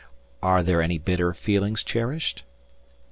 "Are there any bitter feelings cherished?"